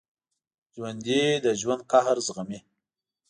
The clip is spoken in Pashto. ژوندي د ژوند قهر زغمي